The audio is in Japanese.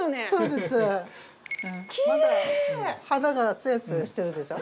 まだ肌がツヤツヤしてるでしょ。